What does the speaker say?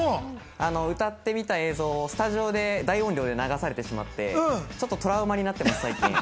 歌ってみた映像をスタジオで大音量で流されて、ちょっとトラウマになっています。